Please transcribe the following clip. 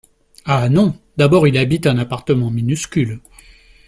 Ah non ! D’abord il habite un appartement minuscule